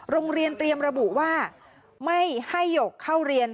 โรงเรียนเตรียมระบุว่าไม่ให้หยกเข้าเรียน